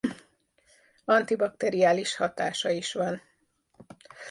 Antibakteriális hatása is van.